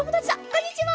こんにちは！